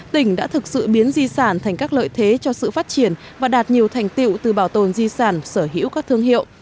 tỉnh đã thực sự biến di sản thành các lợi thế cho sự phát triển và đạt nhiều thành tiệu từ bảo tồn di sản sở hữu các thương hiệu